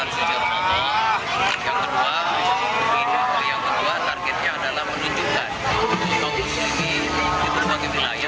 tentang keselamatan di berbagai wilayah termasuk kota tasikmalaya kita bersatu tanpa perihal